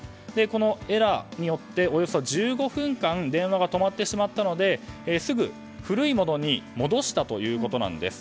このエラーによっておよそ１５分間電話が止まってしまったのですぐ古いものに戻したということです。